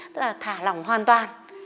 tức là thả lỏng hoàn toàn